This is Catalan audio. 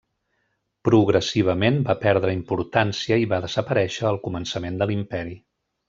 Progressivament va perdre importància i va desaparèixer al començament de l'Imperi.